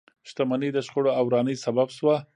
شتمنۍ د شخړو او ورانۍ سبب شوه.